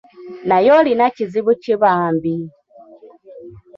Naye olina kizibu ki bambi?”